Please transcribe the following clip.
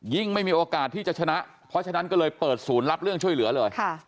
ไม่มีโอกาสที่จะชนะเพราะฉะนั้นก็เลยเปิดศูนย์รับเรื่องช่วยเหลือเลย